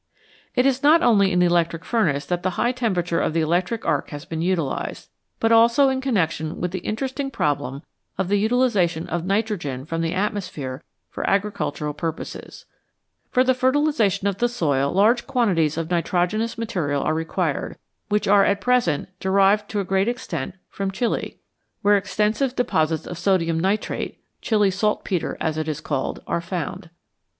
It is not only in the electric furnace that the high temperature of the electric arc has been utilised, but also in connection with the interesting problem of the utilisa tion of nitrogen from the atmosphere for agricultural purposes. For the fertilisation of the soil large quantities of nitrogenous material are required, which are at present derived to a great extent from Chili, where extensive de posits of sodium nitrate Chili saltpetre, as it is called are found.